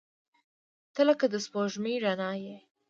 • ته لکه د سپوږمۍ رڼا یې.